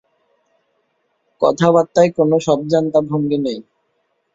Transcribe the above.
কথাবার্তায় কোনো সবজান্তা ভঙ্গি নেই।